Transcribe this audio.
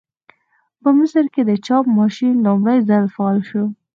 په مصر کې د چاپ ماشین لومړي ځل فعال شو.